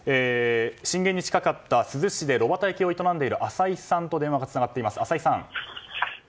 震源に近かった珠洲市で炉端焼きを営んでいる浅井さんと電話がつながっています。